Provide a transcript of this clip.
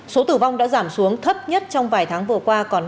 số tử vong đã giảm xuống thấp nhất trong vài tháng vừa qua còn năm mươi năm ca